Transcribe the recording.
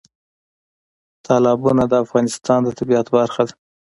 تالابونه د افغانستان د طبیعت برخه ده.